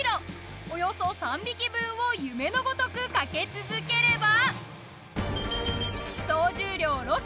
およそ３匹分を夢のごとくかけ続ければ。